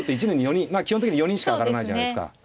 基本的に４人しか上がらないじゃないですか。